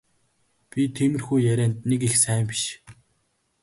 Би тиймэрхүү ярианд нэг их сайн биш.